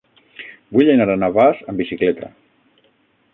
Vull anar a Navàs amb bicicleta.